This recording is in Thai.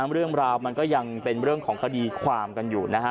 เรื่องราวมันก็ยังเป็นเรื่องของคดีความกันอยู่นะฮะ